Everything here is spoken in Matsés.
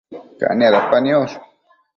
Cania dapa niosh